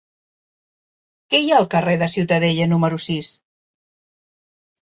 Què hi ha al carrer de Ciutadella número sis?